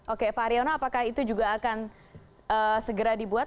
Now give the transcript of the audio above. oke pak haryono apakah itu juga akan segera dibuat